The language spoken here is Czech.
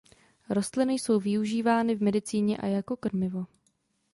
Rostliny jsou využívány v medicíně a jako krmivo.